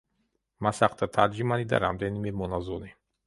მას ახლდა თარჯიმანი და რამდენიმე მონაზონი.